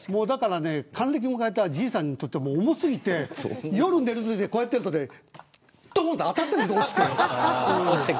還暦を迎えたじいさんにとっては重過ぎて夜寝ていて、こうやっていると落ちて当たっちゃうんです。